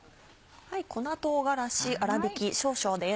粉唐辛子粗びき少々です。